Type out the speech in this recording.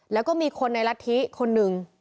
แล้วก็มีคนในรัฐธิคนหนึ่ง